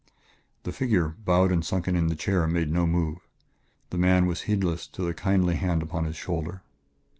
The figure, bowed and sunken in the chair, made no move; the man was heedless of the kindly hand upon his shoulder.